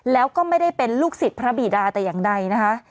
แล้วก็ไม่ได้เป็นลูกศิษย์พระบีดาแต่อย่างใดนะคะ